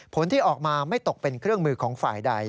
ผลที่ออกมาไม่ตกเป็นเครื่องมือของฝ่ายใด